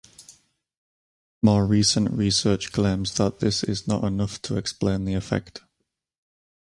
More recent research claims that this is not enough to explain the effect.